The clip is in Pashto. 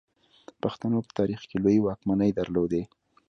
پښتنو په تاریخ کې لویې واکمنۍ درلودې